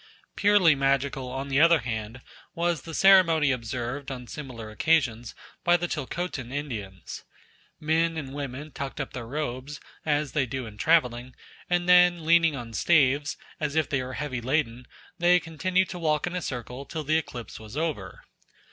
Purely magical, on the other hand, was the ceremony observed on similar occasions by the Chilcotin Indians. Men and women tucked up their robes, as they do in travelling, and then leaning on staves, as if they were heavy laden, they continued to walk in a circle till the eclipse was over.